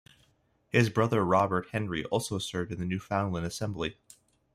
His brother Robert Henry also served in the Newfoundland assembly.